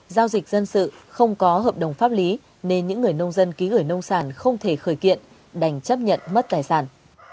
giao dịch dân sự không có hợp đồng pháp lý nên những người nông dân ký gửi nông sản không thể khởi kiện đành chấp nhận mất tài sản